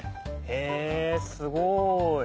へぇすごい。